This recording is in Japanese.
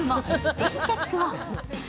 ぜひチェックを。